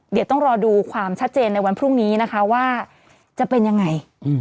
เดี๋ยวต้องรอดูความชัดเจนในวันพรุ่งนี้นะคะว่าจะเป็นยังไง